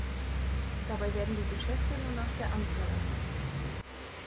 Dabei werden die Geschäfte nur nach der Anzahl erfasst.